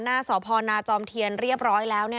หน้าสพนจอมเทียนเรียบร้อยแล้ว